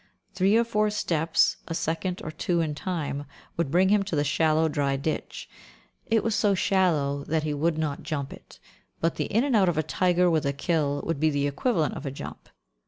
Three or four steps, a second or two in time, would bring him to the shallow, dry ditch. It was so shallow that he would not jump it, but the in and out of a tiger with a kill would be the equivalent of a jump.